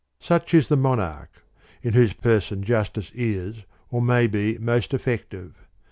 Such is thel Monarch, in whose person Justice is or may be' most effective.